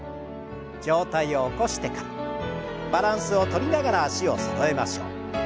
上体を起こしてからバランスをとりながら脚をそろえましょう。